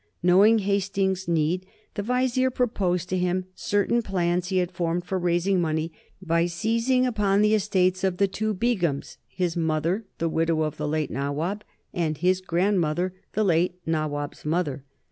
Knowing Hastings's need, the Vizier exposed to him certain plans he had formed for raising money by seizing upon the estates of the two Begums, his mother, the widow of the late Nawab, and his grandmother, the late Nawab's mother.